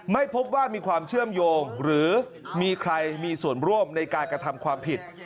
ไม่พบว่ามีความเชื่อมโยงหรือมีใครมีส่วนร่วมในการกระทำความผิด